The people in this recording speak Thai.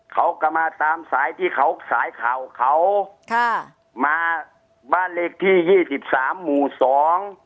เขาก็มาตามสายที่เขาสายข่าวเขาค่ะมาบ้านเลขที่ยี่สิบสามหมู่สอง